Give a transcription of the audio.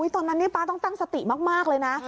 ตอนนั้นป๊าต้องตั้งสติมากเลยนะ